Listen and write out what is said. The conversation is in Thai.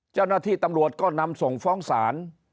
เจ้าหน้าที่ตำรวจก็นำส่งฟ้องศาล